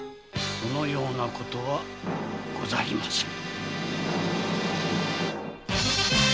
そのようなことはございませぬ。